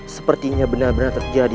sepertinya benar benar terjadi